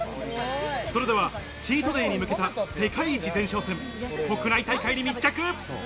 それではチートデイに向けた世界一前哨戦、国内大会に密着。